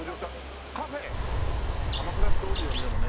鎌倉って多いよねでもね。